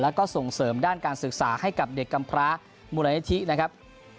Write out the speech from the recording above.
แล้วก็ส่งเสริมด้านการศึกษาให้กับเด็กกำพระมูลนิธินะครับ